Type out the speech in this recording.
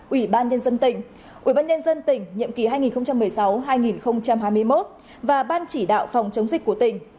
ủy ban nhân dân tỉnh ủy ban nhân dân tỉnh nhiệm kỳ hai nghìn một mươi sáu hai nghìn hai mươi một và ban chỉ đạo phòng chống dịch của tỉnh